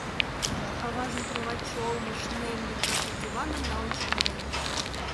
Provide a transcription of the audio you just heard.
Аважын кроватьше олмыш Нелли чапле диваным налын шынден.